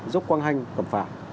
dốc quang hanh cẩm phả